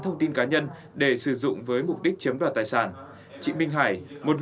thì mình là hết sức nguy hiểm